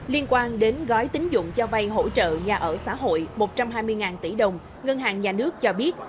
liên quan đến gói tính dụng cho vay hỗ trợ nhà ở xã hội một trăm hai mươi tỷ đồng ngân hàng nhà nước cho biết